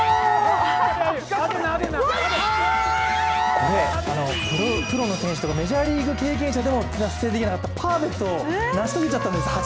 これ、プロの選手とかメジャーリーグ経験者でも達成できなかったパーフェクトを初めて成し遂げちゃったんです